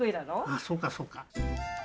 ああそうかそうか。